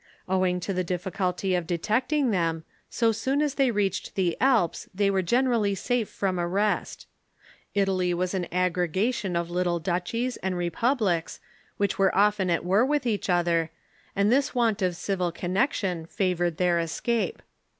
Owing to the difficulty of detecting them, so soon as they reached the Alps they were fjenerally safe from arrest. Italvwas an asfirre tan?s"in E*xMe' S''^tion of little duchies and republics, which were often at war with each other, and this want of civil connection favored their escape.